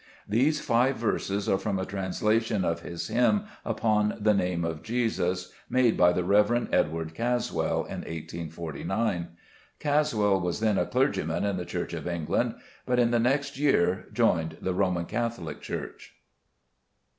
These five verses are from a translation of his hymn upon the Name of Jesus, made by the Rev. Edward Caswall in 1849. Caswall was then a clergyman in the Church of England, but in the next year joined the Roman Catholic Church.